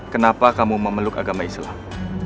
kenapa kamu memeluk agama islam